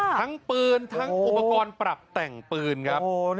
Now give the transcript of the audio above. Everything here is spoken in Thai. ทั้งปืนทั้งอุปกรณ์ปรับแต่งปืนครับ